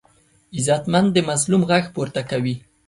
غیرتمند د مظلوم غږ پورته کوي